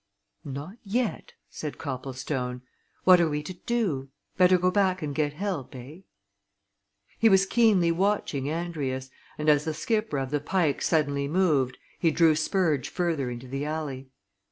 "Not yet," said Copplestone. "What are we to do. Better go back and get help, eh?" He was keenly watching Andrius, and as the skipper of the Pike suddenly moved, he drew Spurge further into the alley.